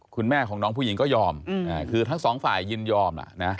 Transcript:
คุณแม่ของน้องผู้หญิงก็ยอมคือทั้งสองฝ่ายยินยอมล่ะนะ